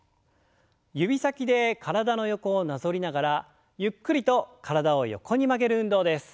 指先で体の横をなぞりながらゆっくりと体を横に曲げる運動です。